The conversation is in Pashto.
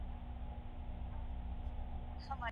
آیا د مسمومیت نښې نښانې په اهلي حیواناتو کې هم لیدل کیږي؟